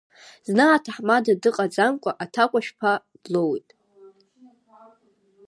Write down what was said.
Зны аҭаҳмада дыҟаӡамкәа, аҭакәажә ԥа длоуит.